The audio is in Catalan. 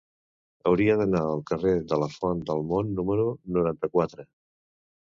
Hauria d'anar al carrer de la Font del Mont número noranta-quatre.